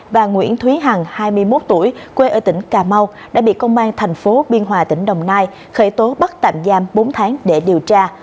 và nguyễn thúy hằng hai mươi một tuổi quê ở tỉnh cà mau đã bị công an thành phố biên hòa tỉnh đồng nai khởi tố bắt tạm giam bốn tháng để điều tra